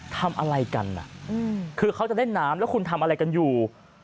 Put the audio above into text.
ทำอะไรกันคือเขาจะเล่นน้ำแล้วคุณทำอะไรกันอยู่